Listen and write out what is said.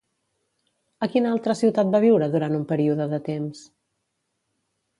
A quina altra ciutat va viure durant un període de temps?